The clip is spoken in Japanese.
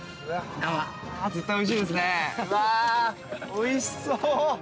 おいしそう。